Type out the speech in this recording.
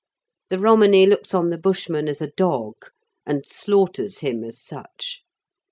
The Romany looks on the Bushman as a dog, and slaughters him as such.